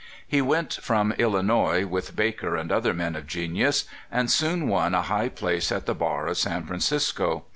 He went from Ilhnois, with Baker and other men of genius, and soon won a high place at the bar of San Francisco.